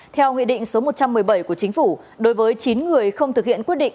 theo nghị định số một trăm một mươi bảy của chính phủ đối với chín người không thực hiện quyết định